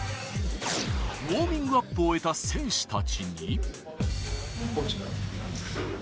ウオーミングアップを終えた選手たちに。